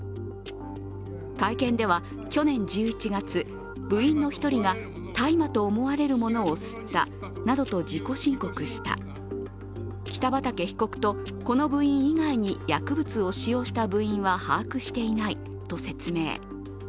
会見では、去年１１月、部員の１人が大麻と思われるものを吸ったなどと自己申告した、北畠被告とこの部員以外に薬物を使用した部員は把握していないと説明。